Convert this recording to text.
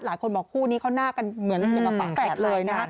หลายคนบอกคู่นี้เข้าหน้ากันเหมือนกับปากแปลกเลย